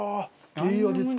いい味付け！